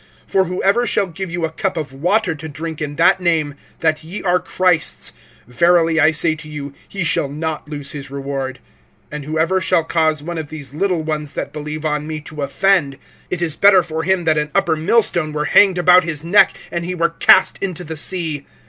(41)For whoever shall give you a cup of water to drink in that name, that ye are Christ's, verily I say to you, he shall not lose his reward. (42)And whoever shall cause one of these little ones that believe on me to offend, it is better for him that an upper millstone were hanged about his neck, and he were cast into the sea.